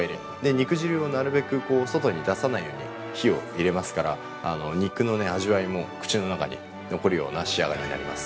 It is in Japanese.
肉汁をなるべく外に出さないように火を入れますから、肉の味わいも口の中に残るような仕上がりになります。